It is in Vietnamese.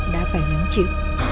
đã phải nếm chịu